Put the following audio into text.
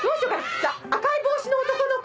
じゃあ赤い帽子の男の子。